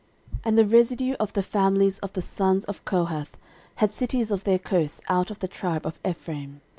13:006:066 And the residue of the families of the sons of Kohath had cities of their coasts out of the tribe of Ephraim.